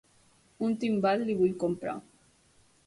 Un timbal li vull comprar.